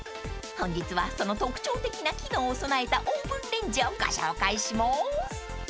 ［本日はその特徴的な機能を備えたオーブンレンジをご紹介します］